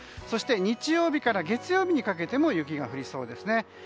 そして日曜日から月曜日にかけても雪が降りそうですね。